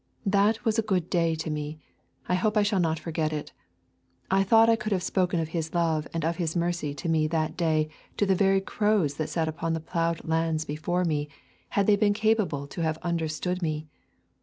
That was a good day to me; I hope I shall not forget it. I thought I could have spoken of His love and of His mercy to me that day to the very crows that sat upon the ploughed lands before me had they been capable to have understood me.